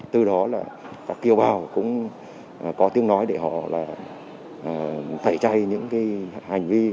từ đó là các kiêu bào cũng có tiếng nói để họ tẩy chay những hành vi